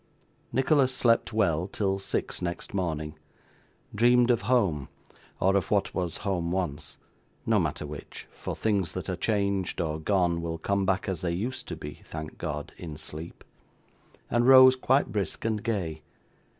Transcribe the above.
Nicholas slept well till six next morning; dreamed of home, or of what was home once no matter which, for things that are changed or gone will come back as they used to be, thank God! in sleep and rose quite brisk and gay.